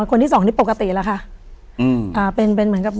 คนที่สองนี่ปกติแล้วค่ะ